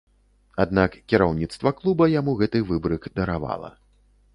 Аднак кіраўніцтва клуба яму гэты выбрык даравала.